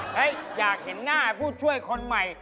อยากเห็นหน้าผู้ช่วยคนใหม่